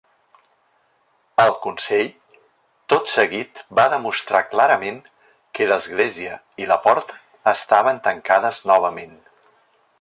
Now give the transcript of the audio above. El consell, tot seguit va demostrar clarament que l'església i la porta estaven tancades novament.